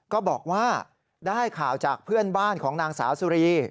ก็บอกว่าได้ข่าวจากเพื่อนบ้านของนางสาวสุรี